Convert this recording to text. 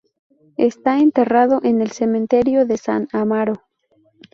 Está enterrado en el cementerio de San Amaro.